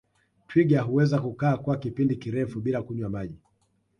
Twiga huweza kukaa kwa kipindi kirefu bila kunywa maji